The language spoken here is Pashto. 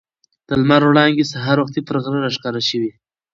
د لمر وړانګې سهار وختي پر غرو راښکاره شوې.